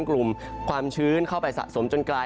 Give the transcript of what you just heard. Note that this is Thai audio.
กลุ่มความชื้นเข้าไปสะสมจนกลาย